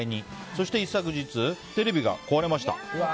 そして一昨日テレビが壊れました。